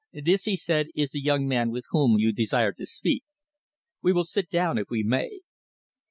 "This," he said, "is the young man with whom you desired to speak. We will sit down if we may.